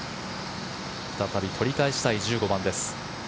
再び取り返したい１５番です。